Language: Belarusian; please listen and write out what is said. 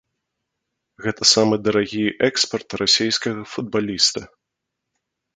Гэта самы дарагі экспарт расейскага футбаліста.